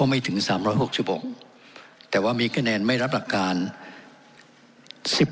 ไม่ถึงสามร้อยหกชั่วบกแต่ว่ามีคะแนนไม่รับหลักการสิบ